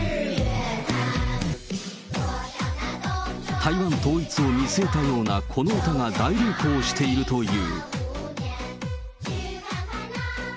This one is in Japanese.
台湾統一を見据えたようなこの歌が大流行しているという。